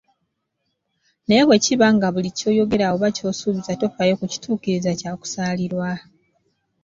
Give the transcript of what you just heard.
Naye bwe kiba nti buli ky'oyogera oba ky'osuubiza tofaayo kukituukiriza kya kusaalirwa!